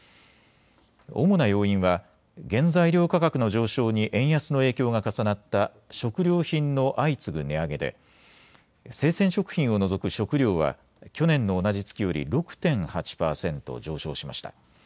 主な要因は原材料価格の上昇に円安の影響が重なった食料品の相次ぐ値上げで生鮮食品を除く食料は去年の同じ月より６．８％上昇しました。